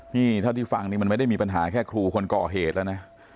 นี่เท่าที่ฟังนี่มันไม่ได้มีปัญหาแค่ครูคนก่อเหตุแล้วนะ